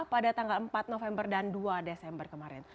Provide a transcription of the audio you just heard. pada tanggal empat november dan dua desember kemarin